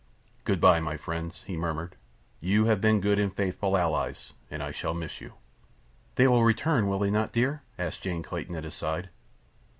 "Good bye, my friends," he murmured. "You have been good and faithful allies, and I shall miss you." "They will return, will they not, dear?" asked Jane Clayton, at his side.